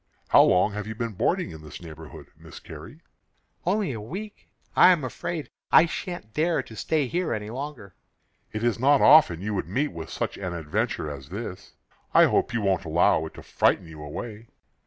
"How long have you been boarding in this neighborhood, Miss Carrie?" "Only a week. I am afraid I shan't dare to stay here any longer." "It is not often you would meet with such an adventure as this. I hope you won't allow it to frighten you away."